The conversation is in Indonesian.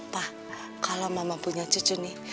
pak kalau mama punya cucu nih